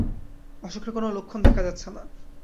অসুখের কোনো লক্ষণ দেখা যাচ্ছে না।